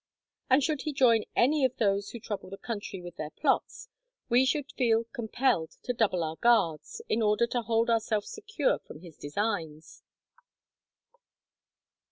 And should he join any of those who trouble the country with their plots, we should feel compelled to double our guards, in order to hold ourself secure from his designs.